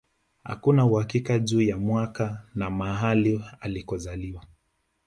Hakuna uhakika juu ya mwaka na mahali alikozaliwa